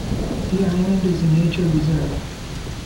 The island is a nature reserve.